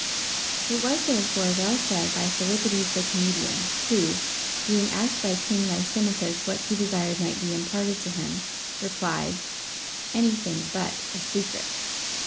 It was therefore well said by Philippides the comedian, who, being asked by King Lysimachus what he desired might be imparted to him, replied, Any thing but a secret.